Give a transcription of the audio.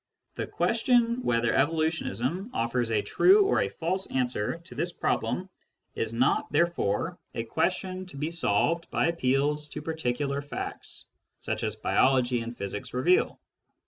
The question whether evolutionism offers a true or a false answer to this problem is not, therefore, a question to be solved by appeals to particular facts, such as biology and physics reveal.